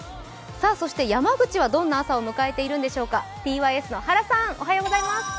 山口はどんな朝を迎えているんでしょうか？